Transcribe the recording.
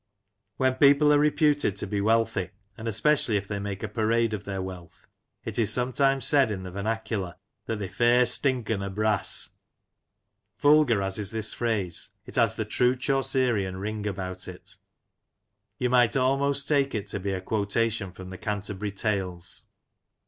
When people are reputed to be wealthy, and especially if they make a parade of their wealth, it is sometimes said in the vernacular that " they fair stinken o' brass !" Vulgar as is this phrase, it has the true Chaucerean ring about it You might almost take it to be a quotation from the Canterbury Tales.